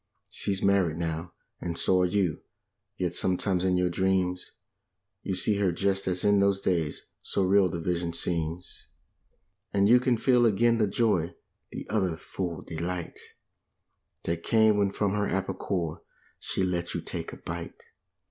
She's married now, and so are you, yet sometimes in your dreams You see her just as in those days, so real the vision seems, And you can feel again the joy, the utter, full delight \' That came when from her apple core she let you take a bite.